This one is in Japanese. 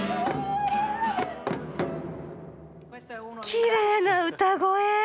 きれいな歌声！